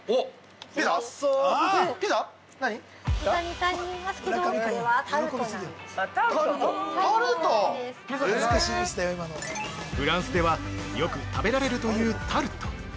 ◆フランスでは、よく食べられるというタルト。